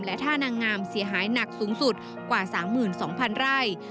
และท่านางงามเสียหายหนักสูงสุดกว่า๓๒๐๐๐ไร่